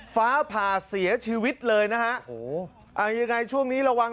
ฟ้าผ่าเสียชีวิตเลยนะฮะโอ้โหเอายังไงช่วงนี้ระวัง